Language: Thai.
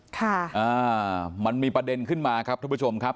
ค่ะอ่ามันมีประเด็นขึ้นมาครับทุกผู้ชมครับ